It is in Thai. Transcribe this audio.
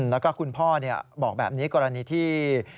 แล้วก็คุณพ่อบอกแบบนี้กรณีที่